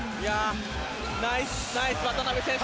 ナイス、渡邊選手。